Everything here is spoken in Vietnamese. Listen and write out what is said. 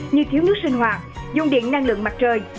như thiếu nước sinh hoạt dùng điện năng lượng mặt trời